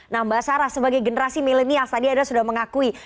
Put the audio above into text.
nah mbak sarah sebagai generasi milenial tadi anda sudah mengakui